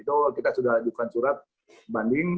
itu kita sudah ajukan surat banding